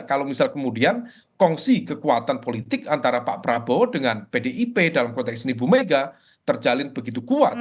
kalau misal kemudian kongsi kekuatan politik antara pak prabowo dengan pdip dalam konteks ini bu mega terjalin begitu kuat